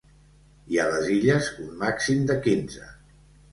I a les Illes, un màxim de quinze.